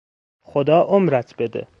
خدا عمرت بده!